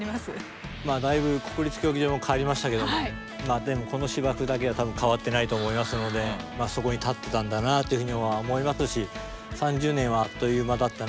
まあだいぶ国立競技場も変わりましたけどもでもこの芝生だけは多分変わってないと思いますのでそこに立ってたんだなというふうには思いますし３０年はあっという間だったなっていう気もしますね。